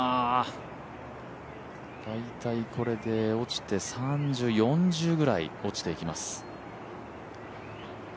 大体これで落ちて４０ぐらい落ちていきます。